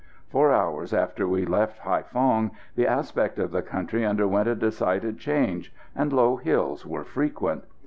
Four hours after we left Haïphong the aspect of the country underwent a decided change, and low hills were frequent.